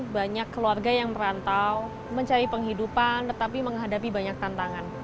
banyak keluarga yang merantau mencari penghidupan tetapi menghadapi banyak tantangan